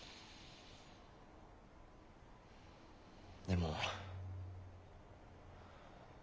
でも。